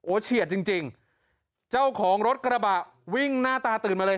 เฉียดจริงจริงเจ้าของรถกระบะวิ่งหน้าตาตื่นมาเลย